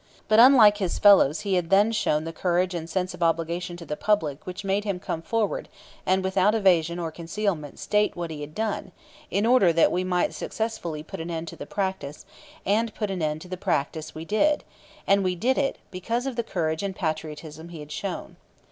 But unlike his fellows he had then shown the courage and sense of obligation to the public which made him come forward and without evasion or concealment state what he had done, in order that we might successfully put an end to the practice; and put an end to the practice we did, and we did it because of the courage and patriotism he had shown.